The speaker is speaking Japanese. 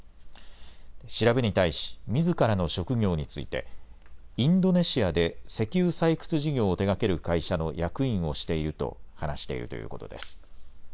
調べに対しみずからの職業についてインドネシアで石油採掘事業を手がける会社の役員をしていると話しているということです。